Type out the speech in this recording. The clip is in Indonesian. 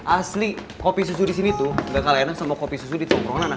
asli kopi susu disini tuh gak kalah enak sama kopi susu di tokronan